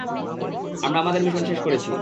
আমরা আমাদের মিশন শেষ করেছি।